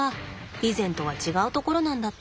以前とは違うところなんだって。